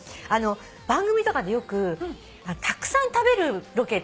番組とかでよくたくさん食べるロケとかが。